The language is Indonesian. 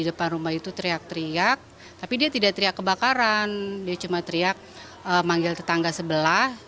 di depan rumah itu teriak teriak tapi dia tidak teriak kebakaran dia cuma teriak manggil tetangga sebelah